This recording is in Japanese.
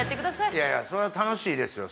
いやいやそれは楽しいですよ